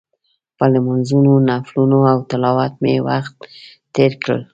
په لمونځونو، نفلونو او تلاوت مې وخت تېر کړ.